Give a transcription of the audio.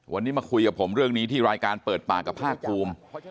วันนี้มาคุยกับผมเรื่องนี้ที่รายการเปิดปากกับภาคภูมิ